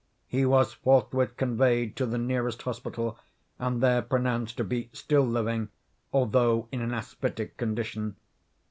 He was forthwith conveyed to the nearest hospital, and there pronounced to be still living, although in an asphytic condition.